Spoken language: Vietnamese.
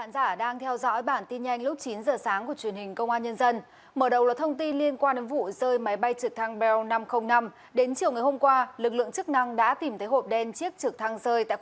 cảm ơn các bạn đã theo dõi